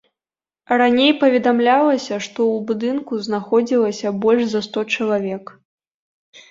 Раней паведамлялася, што ў будынку знаходзілася больш за сто чалавек.